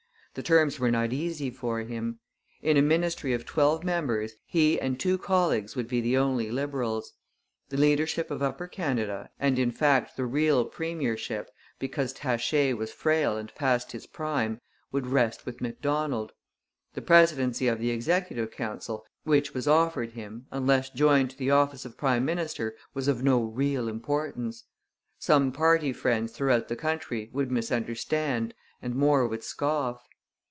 The terms were not easy for him. In a ministry of twelve members he and two colleagues would be the only Liberals. The leadership of Upper Canada, and in fact the real premiership, because Taché was frail and past his prime, would rest with Macdonald. The presidency of the Executive Council, which was offered him, unless joined to the office of prime minister, was of no real importance. Some party friends throughout the country would misunderstand, and more would scoff.